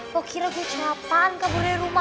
kok kira gue cuma pan kabur dari rumah